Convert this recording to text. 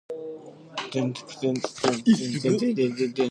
The first mutation, called the 'premutation', doesn't cause any clinical symptoms.